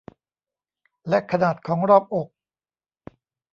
และขนาดของรอบอก